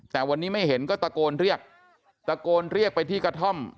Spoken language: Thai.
แต่วันนี้ไม่เห็นก็ตะโกนเรียกตะโกนเรียกไปที่กระท่อม